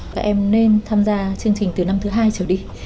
các em nên tham gia chương trình từ năm thứ hai trở đi